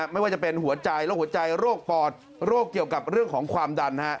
ไม่ว่าจะเป็นหัวใจโรคหัวใจโรคปอดโรคเกี่ยวกับเรื่องของความดัน